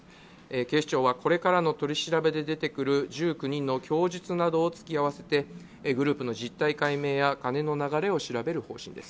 警視庁はこれからの取り調べで出てくる１９人の供述などを突き合わせてグループの実態解明や金の流れを調べる方針です。